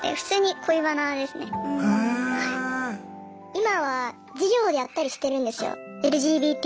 今は授業でやったりしてるんですよＬＧＢＴ。